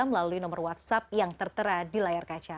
melalui nomor whatsapp yang tertera di layar kaca